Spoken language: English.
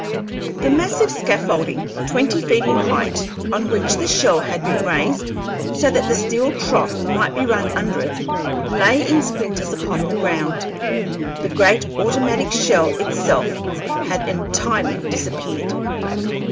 The massive scaffolding, twenty feet in height, on which the shell had been raised so that the steel trough might be run under it, lay in splinters upon the ground. The great automatic shell itself had entirely disappeared.